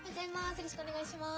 よろしくお願いします。